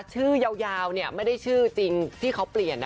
ชื่อยาวไม่ได้ชื่อจริงที่เขาเปลี่ยนนะ